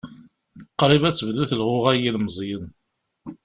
Qrib ad tebdu telɣuɣa n yelmeẓyen.